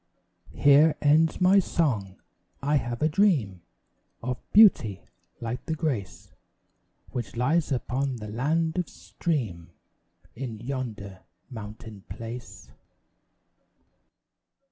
Here ends my song; I have a dream Of beauty like the grace Which lies upon the land of stream In yonder mountain place.